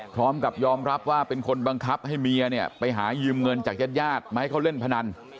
พร้อมกับยอมรับว่าเป็นคนบังคับให้เมียเนี่ยไปหายืมเงินจากญาติญาติมาให้เขาเล่นพนัน